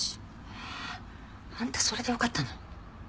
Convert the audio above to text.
えっあんたそれでよかったの？